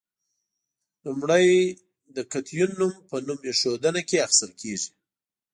لومړی د کتیون نوم په نوم ایښودنه کې اخیستل کیږي.